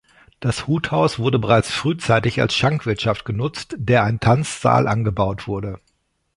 Das Huthaus wurde bereits frühzeitig als Schankwirtschaft genutzt, der ein Tanzsaal angebaut wurde.